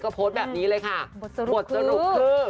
ก็โพสต์แบบนี้เลยค่ะบทสรุปคือ